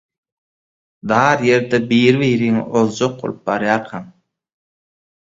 Dar ýerde biri-biriňi ozjak bolup barýarkaň